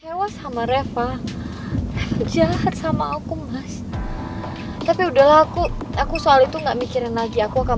lewat sama reva jalan sama aku mas tapi udah laku aku soal itu enggak mikirin lagi aku akan